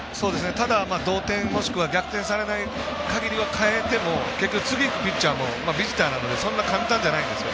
ただ同点もしくは逆転されないかぎりは変えても結局ピッチャー代えてもビジターなのでそんな簡単じゃないんですよ。